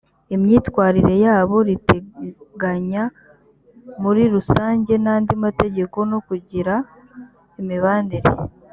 imyitwarire yabo riteganya muri rusange n andi mategeko no kugira imibanire